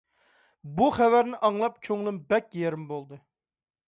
بۇ خەۋەرنى ئاڭلاپ كۆڭلۈم بەك يېرىم بولدى.